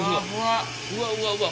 うわうわうわ！